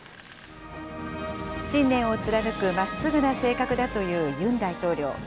信念を貫くまっすぐな性格だというユン大統領。